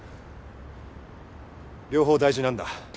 両方大事なんだ。